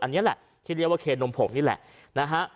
อันนี้แหละที่เรียกว่าเคนมผงนี่แหละนะฮะ